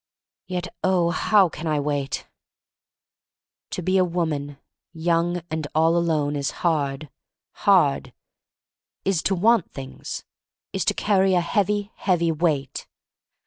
Yet, oh, how can I wait! To be a woman, young and all alone, is hard — hard! — is to want things, is to carry a heavy, heavy weight.